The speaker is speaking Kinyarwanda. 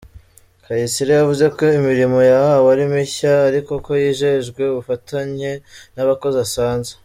Kayisire yavuze ko imirimo yahawe ari mishya ariko ko yijejwe ubufatanye n’abakozi asanze.